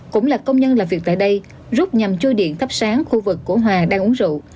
cũng là công nhân làm việc tại đây rút nhằm chui điện thắp sáng khu vực của hòa đang uống rượu